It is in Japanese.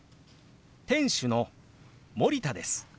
店主の森田です。